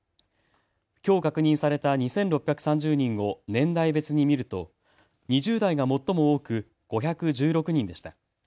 きょう確認された２６３０人を年代別に見ると２０代が最も多く５１６人でした。